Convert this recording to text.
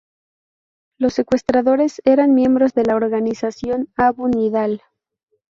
Los secuestradores eran miembros de la Organización Abu Nidal.